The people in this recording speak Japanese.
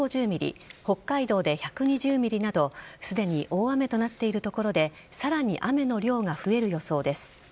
北海道で１２０ｍｍなどすでに大雨となっている所でさらに雨の量が増える予想です。